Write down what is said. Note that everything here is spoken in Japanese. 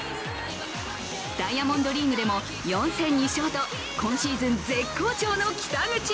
ダイヤモンドリーグでも４戦２勝と今シーズン絶好調の北口。